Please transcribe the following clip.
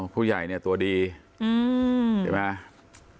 ผู้ใหญ่เนี่ยตัวดีเห็นไหม